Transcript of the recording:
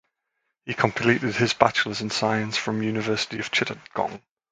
He completed his Bachelors in Science from University of Chittagong.